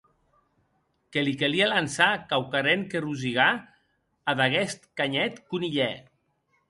Que li calie lançar quauquarren que rosigar ad aqueth gosset conilhèr.